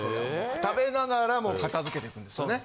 食べながら片付けていくんですよね？